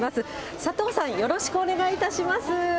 さとうさん、よろしくお願いいたします。